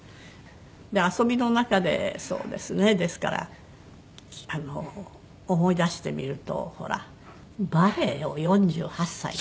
遊びの中でそうですねですから思い出してみるとほらバレエを４８歳から。